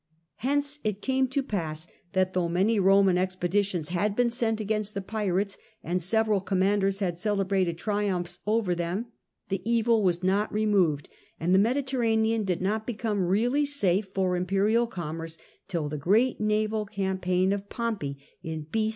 Hence it came to pass that though many Roman expe ditions had been sent against the pirates, and several commanders had celebrated triumphs over them, the evil was not removed, and the Mediterranean did not become really safe for imperial commerce till the great naval campaign of Pompey in b.